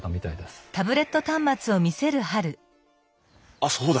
あっそうだ。